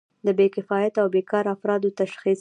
د بې کفایته او بیکاره افرادو تشخیص.